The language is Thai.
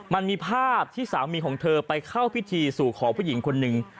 มันมีภาพที่สามีของเธอไปเข้าพิธีสู่ขอผู้หญิงคนหนึ่ง